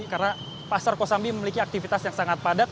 karena pasar krosambi memiliki aktivitas yang sangat padat